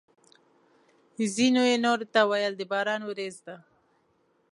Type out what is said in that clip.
ځینو یې نورو ته ویل: د باران ورېځ ده!